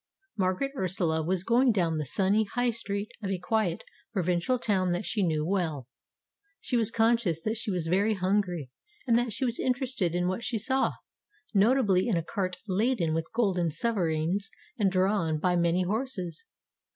Margaret Ursula was going down the sunny High Street of a quiet, provincial town that she knew well. She was conscious that she was very hungry, and that she was interested in what she saw notably in a cart laden with golden sovereigns and drawn by many horses.